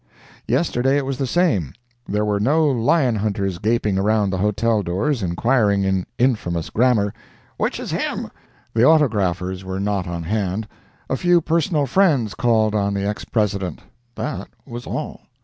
Yesterday it was the same. There were no lion hunters gaping around the hotel doors, inquiring in infamous grammar, "Which is him?" The autographers were not on hand. A few personal friends called on the ex President. That was all.